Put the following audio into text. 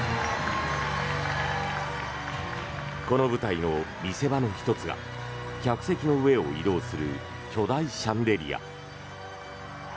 この舞台の見せ場の１つが客席の上を移動する巨大シャンデリア。